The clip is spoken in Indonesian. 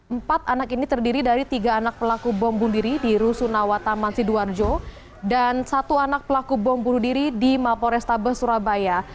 empat anak ini terdiri dari tiga anak pelaku bom bunuh diri di rusunawa taman sidoarjo dan satu anak pelaku bom bunuh diri di mapo restabe surabaya